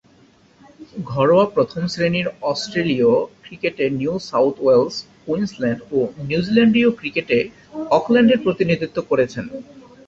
ঘরোয়া প্রথম-শ্রেণীর অস্ট্রেলীয় ক্রিকেটে নিউ সাউথ ওয়েলস, কুইন্সল্যান্ড ও নিউজিল্যান্ডীয় ক্রিকেটে অকল্যান্ডের প্রতিনিধিত্ব করেছেন।